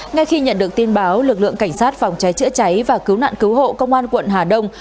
ngay khi nhận được tin báo lực lượng cảnh sát phòng cháy chữa cháy và cứu nạn cứu hộ công an quận hà đông